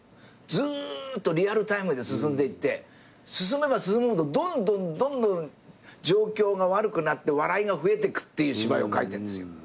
ずっとリアルタイムで進んでいって進めば進むほどどんどんどんどん状況が悪くなって笑いが増えてくっていう芝居を書いてんですよ。